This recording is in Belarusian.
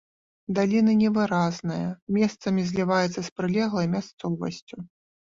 Даліна невыразная, месцамі зліваецца з прылеглай мясцовасцю.